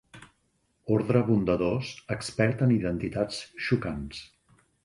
Ordre bondadós, expert en identitats xocants.